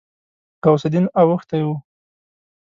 غوث الدين اوښتی و.